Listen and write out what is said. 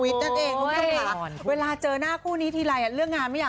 ส่วนคนนี้บอกเลยว่า